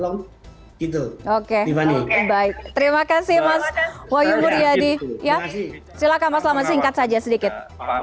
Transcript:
oke baik terima kasih mas woyung huryadi ya silakan mas lama singkat saja sedikit